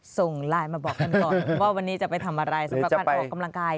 ส่งไลน์มาบอกกันก่อนว่าวันนี้จะไปทำอะไรสำหรับการออกกำลังกาย